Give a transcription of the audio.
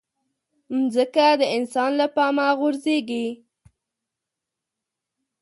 مځکه د انسان له پامه غورځيږي.